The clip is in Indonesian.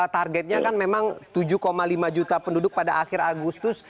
targetnya kan memang tujuh lima juta penduduk pada akhir agustus